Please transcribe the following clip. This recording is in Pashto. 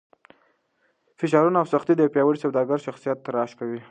فشارونه او سختۍ د یو پیاوړي سوداګر د شخصیت تراش کوي.